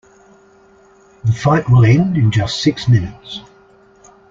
The fight will end in just six minutes.